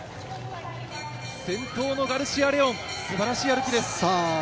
先頭のガルシア・レオン、すばらしい歩きです。